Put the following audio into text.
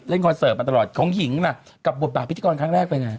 เล่นคอนเสิร์ตมาตลอดของหญิงกับบทบาทพิจารณ์ครั้งแรกเป็นไง